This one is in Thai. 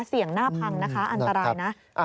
เสี่ยงหน้าพังนะคะอันตรายนะ